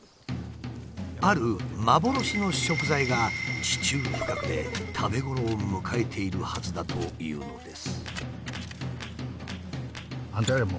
ある幻の食材が地中深くで食べ頃を迎えているはずだというのです。